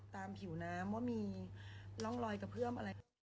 ผิวน้ำว่ามีร่องรอยกระเพื่อมอะไร